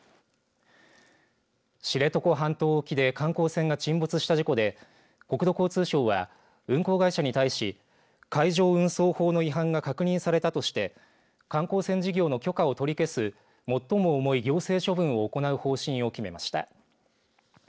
知床半島沖で観光船が沈没した事故で国土交通省は運航会社に対し海上運送法の違反が確認されたとして観光船事業の許可を取り消す最も重い行政処分を行う方針を決めました。